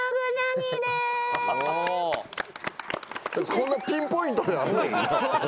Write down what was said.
こんなピンポイントであんねんな。